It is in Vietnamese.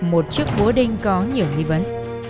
một chiếc búa đinh có nhiều nghi vấn